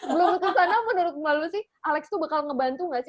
belum kesana menurut mbak lucy alex tuh bakal ngebantu gak sih